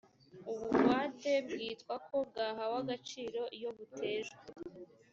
ubugwate bwitwa ko bwahawe agaciro iyo butejwe